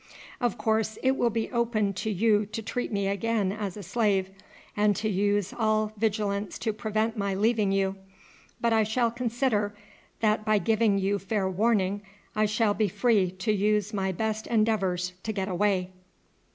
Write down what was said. Of course it will be open to you to treat me again as a slave, and to use all vigilance to prevent my leaving you, but I shall consider that by giving you fair warning I shall be free to use my best endeavours to get away."